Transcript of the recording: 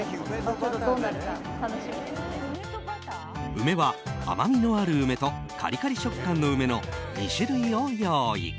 梅は甘みのある梅とカリカリ食感の梅の２種類を用意。